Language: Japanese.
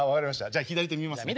じゃあ左手見ますね。